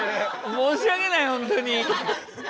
申し訳ない本当に。